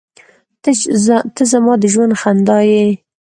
• ته زما د ژوند خندا یې.